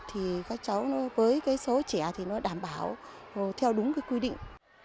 thì các cháu với số trẻ thì nó đảm bảo theo đúng quy định